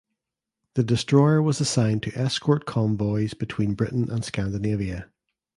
The destroyer was assigned to escort convoys between Britain and Scandinavia.